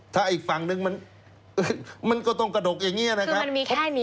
ถ้าอีกฝั่งนึงมันมันก็ต้องกระดกอย่างนี้นะครับคือมันมีแค่นี้คุณครับ